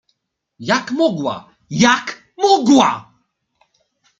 "Jak mogła, jak mogła!"